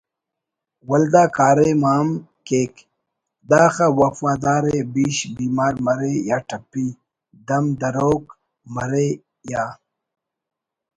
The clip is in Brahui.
ولدا کاریم ہم کیک……داخہ وفا دارءِ بیش بیمار مرے یا ٹھپی…… دم دروک مرے یا